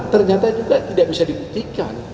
ternyata juga tidak bisa dibuktikan